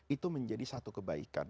itu menjadi satu kebaikan